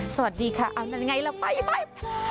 สวัสดีค่ะเอาละไงล่ะไป